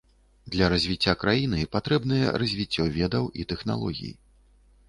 Для развіцця краіны патрэбныя развіццё ведаў і тэхналогій.